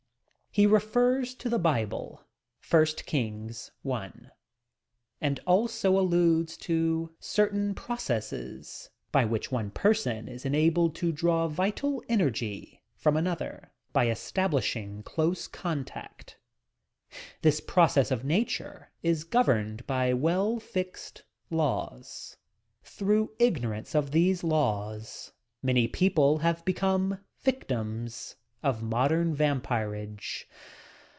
He refers to the Bible (1 Kings, 1) and also alludes to certain processes by which one person is enabled to draw vital energy from another, — by establishing close contact. This process of Nature is governed by well fixed laws. Through ignorance of these laws, many people have become victims of "Modern Vampirage."